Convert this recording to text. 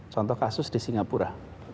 contoh kasus di singapura